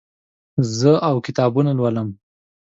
زه اوه کتابونه لولم.